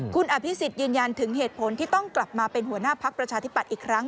คุณอภิษฎยืนยันถึงเหตุผลที่ต้องกลับมาเป็นหัวหน้าพักประชาธิปัตย์อีกครั้ง